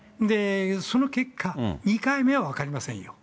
その結果、２回目は分かりませんよ。